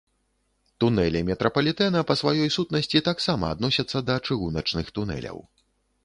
Тунэлі метрапалітэна па сваёй сутнасці таксама адносяцца да чыгуначных тунэляў.